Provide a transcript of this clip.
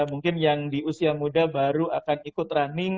mungkin yang di usia muda baru akan ikut running